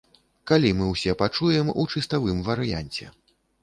Калі мы ўсе пачуем у чыставым варыянце?